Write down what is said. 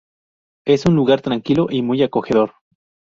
Es un lugar tranquilo y muy acogedor.